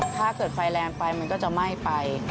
ถ้าเกิดไฟแรงไปมันก็จะไหม้ไป